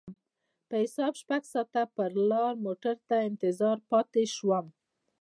په حساب شپږ ساعته پر لار موټر ته انتظار پاتې شوم.